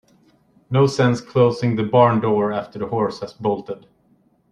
No sense closing the barn door after the horse has bolted.